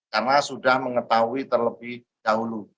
karena sudah mengetahui terlebih dahulu